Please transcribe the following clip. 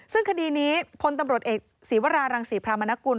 ซึ่งคดีนี้พลตำรวจเอกศีวรารังศรีพรามนกุล